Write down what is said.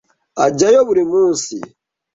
Ajyayo buri munsi.